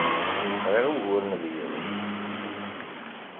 Sɛiɣ uguren d yiḍes.